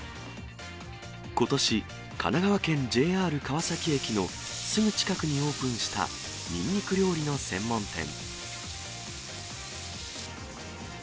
ことし、神奈川県ＪＲ川崎駅のすぐ近くにオープンしたニンニク料理の専門店。